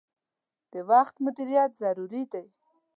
د وخت مدیریت ضروری دي.